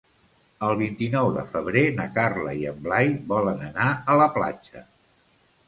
El vint-i-nou de febrer na Carla i en Blai volen anar a la platja.